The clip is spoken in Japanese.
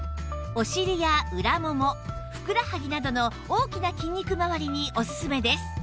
お尻や裏ももふくらはぎなどの大きな筋肉まわりにおすすめです